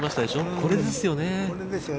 これですよね。